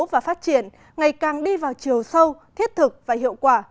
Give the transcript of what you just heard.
và phát triển ngày càng đi vào chiều sâu thiết thực và hiệu quả